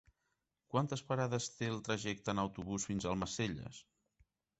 Quantes parades té el trajecte en autobús fins a Almacelles?